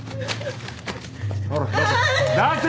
ほら出せ。